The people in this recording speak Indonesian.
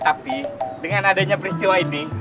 tapi dengan adanya peristiwa ini